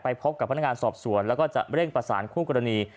พบกับพนักงานสอบสวนแล้วก็จะเร่งประสานคู่กรณี